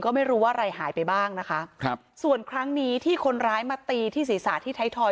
ก็ไม่รู้ว่าอะไรหายไปบ้างนะคะครับส่วนครั้งนี้ที่คนร้ายมาตีที่ศีรษะที่ไทยทอย